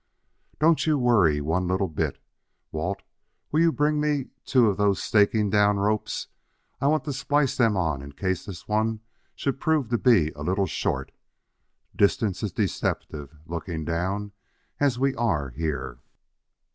"Don't you worry one little bit. Walt, will you bring me two of those staking down ropes? I want to splice them on in case this one should prove to be a little short. Distance is deceptive, looking down, as we are here."